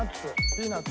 ピーナッツ。